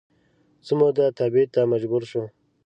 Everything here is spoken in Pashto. څه موده تبعید ته مجبور شو